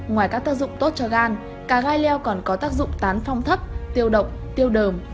ngoài các tác dụng tốt cho gan cà gai leo còn có tác dụng tán phong thấp tiêu động tiêu đờm tiêu lọc